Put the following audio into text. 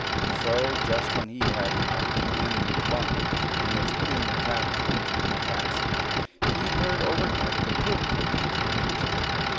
So, just when he had knocked in the bung, and was putting the tap into the cask, he heard overhead the pig come into the kitchen.